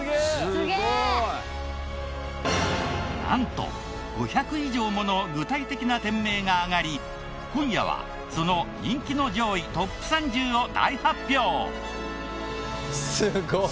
なんと５００以上もの具体的な店名が挙がり今夜はその人気の上位トップ３０を大発表。